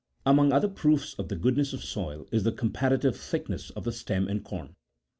Among other proofs of the goodness of soil, is the comparative thickness of the stem in corn.